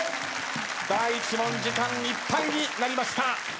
第１問時間いっぱいになりました。